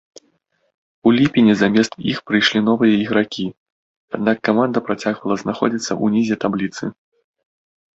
У ліпені замест іх прыйшлі новыя ігракі, аднак каманда працягвала знаходзіцца ўнізе табліцы.